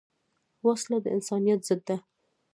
وسله د انسانیت ضد ده